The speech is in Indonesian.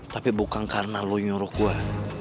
tapi bukan karena lo nyuruh gue